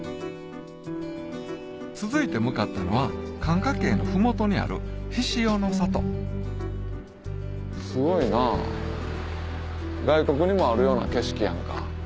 続いて向かったのは寒霞渓の麓にあるすごいなぁ外国にもあるような景色やんか。